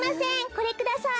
これください。